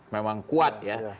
memang kuat ya